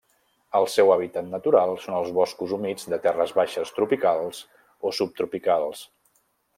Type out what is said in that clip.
El seu hàbitat natural són els boscos humits de terres baixes tropicals o subtropicals.